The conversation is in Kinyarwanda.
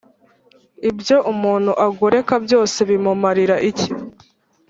ibyo umuntu agoreka byose bimumarira iki